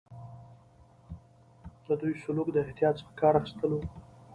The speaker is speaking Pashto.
د دوی سلوک د احتیاط څخه کار اخیستل وو.